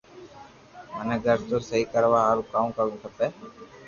مني گھر نو سھي ڪرايا ھارون ڪاو ڪروُ کپي